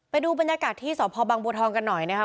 ไปดูบรรยากาศที่สพบังบัวทองกันหน่อยนะครับ